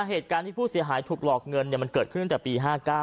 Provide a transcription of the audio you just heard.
เหตุการณ์ที่ผู้เสียหายถูกหลอกเงินมันเกิดขึ้นตั้งแต่ปี๕๙